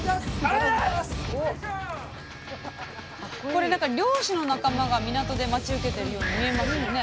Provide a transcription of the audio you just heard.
これなんか漁師の仲間が港で待ち受けてるように見えますよね？